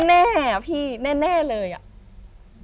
แน่อะพี่แน่เลยอ่ะ